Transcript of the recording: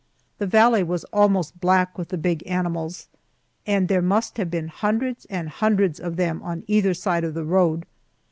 The valley was almost black with the big animals, and there must have been hundreds and hundreds of them on either side of the road.